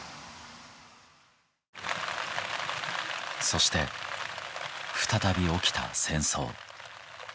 そして再び起きた戦争。